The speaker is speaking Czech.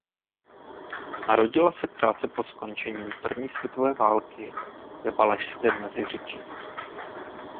Narodila se krátce po skončení první světové války ve Valašském Meziříčí.